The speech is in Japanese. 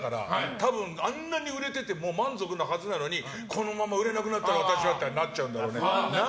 多分、あんなに売れていてもう満足なはずなのにこのまま売れなくなったら私はってなっちゃうんだね。